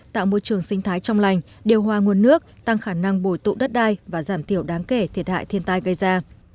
tạo môi trường sinh thái trong lành điều hòa nguồn nước tăng khả năng bồi tụ đất đai và giảm thiểu đáng kể thiệt hại thiên tai gây ra